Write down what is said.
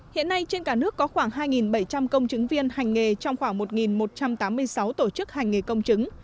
hiện nay trên cả nước có khoảng hai bảy trăm linh công chứng viên hành nghề trong khoảng một một trăm tám mươi sáu tổ chức hành nghề công chứng